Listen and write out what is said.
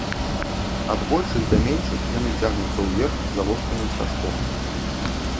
Ад большых да меншых яны цягнуцца ўверх завостраным стажком.